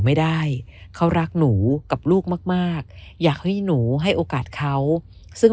ไม่ได้เขารักหนูกับลูกมากมากอยากให้หนูให้โอกาสเขาซึ่ง